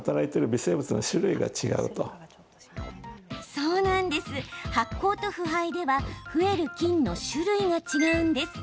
そう、発酵と腐敗では増える菌の種類が違うんです。